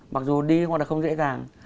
mặc dù đi nó là không dễ dàng